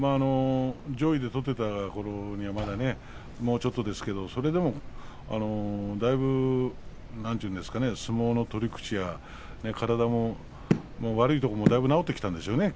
上位で取っていたころにはまだもうちょっとですけどもそれでもだいぶ相撲の取り口が体も悪いところもだいぶ治ってきたんでしょうね。